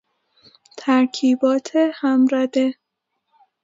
ترکیبات همرده